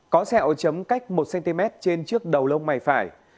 có xeo chấm cách một cm trên trước đầu lông mày phải